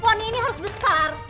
poni ini harus besar